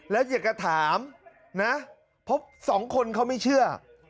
แล้วอยากจะถามนะเพราะสองคนเขาไม่เชื่อ